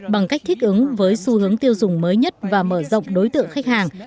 bằng cách thích ứng với xu hướng tiêu dùng mới nhất và mở rộng đối tượng khách hàng